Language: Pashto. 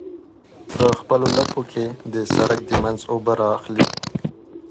په خپلو لپو کې د سرک د منځ اوبه رااخلي.